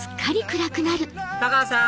太川さん